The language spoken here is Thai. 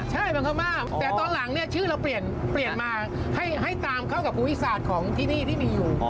ใช่เป็นพม่าแต่ตอนหลังเนี่ยชื่อเราเปลี่ยนมาให้ตามเข้ากับภูมิศาสตร์ของที่นี่ที่มีอยู่